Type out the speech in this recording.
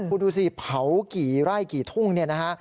คุณดูสิเผากี่ไร่กี่ทุ่งเนี่ยนะฮะ